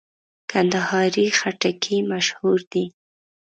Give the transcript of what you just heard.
کندهاري خټکی مشهور دی.